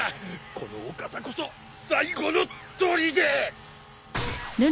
このお方こそ最後のとりで！